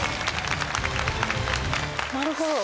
なるほど。